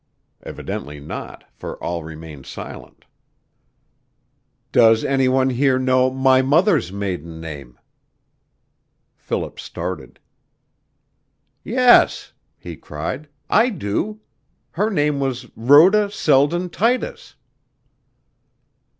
Evidently not, for all remained silent. "Does any one here know my mother's maiden name?" Philip started. "Yes," he cried, "I do. Her name was Rhoda Selden Titus." [Illustration: "_'R. S.